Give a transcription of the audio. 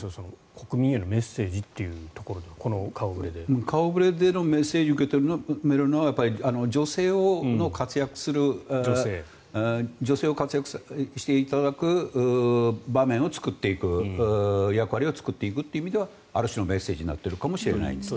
国民へのメッセージというところでは顔触れでのメッセージは女性が活躍する女性に活躍していただく場面を作っていく役割を作っていくという意味ではある種のメッセージになっているかもしれないです。